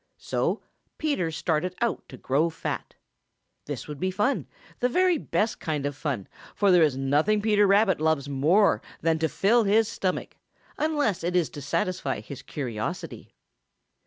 So Peter started out to grow fat. This would be fun, the very best kind of fun, for there is nothing Peter Rabbit loves more than to fill his stomach, unless it is to satisfy his curiosity.